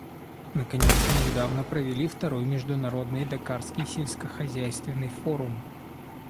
Наконец, мы недавно провели второй Международный дакарский сельскохозяйственный форум.